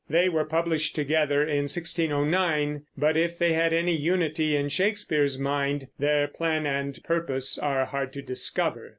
They were published together in 1609; but if they had any unity in Shakespeare's mind, their plan and purpose are hard to discover.